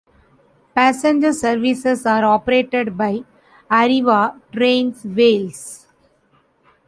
Passenger services are operated by Arriva Trains Wales.